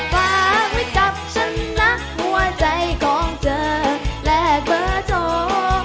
ฝากไว้กับฉันนะหัวใจของเธอและเบอร์โทร